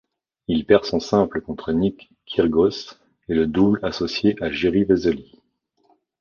Il perd son simple contre Nick Kyrgios et le double, associé à Jiří Veselý.